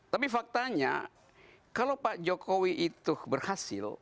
tapi faktanya kalau pak jokowi itu berhasil